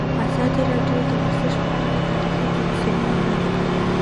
ازادي راډیو د ورزش په اړه تاریخي تمثیلونه وړاندې کړي.